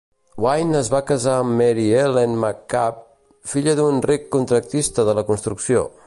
Wynne es va casar amb Mary Ellen McCabe, filla d'un ric contractista de la construcció.